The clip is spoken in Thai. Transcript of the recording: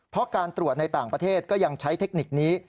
เพราะการตรวจในต่างประเทศก็ยังใช้เทคนิคนี้